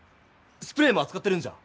スプレーもあつかってるんじゃ？